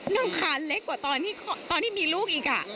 น้ำคานเล็กกว่าตอนที่มีลูกอีก